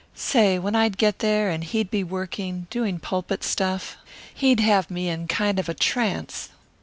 Say, when I'd get there and he'd be working doing pulpit stuff he'd have me in kind of a trance.